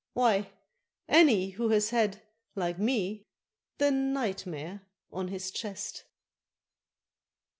Why, any who has had, like me, the NIGHT MARE on his chest.